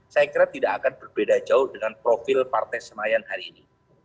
saya kira tidak akan berbeda jauh dengan profil partai senayan hari ini